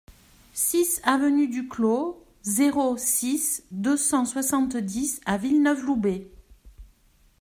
six avenue du Clos, zéro six, deux cent soixante-dix à Villeneuve-Loubet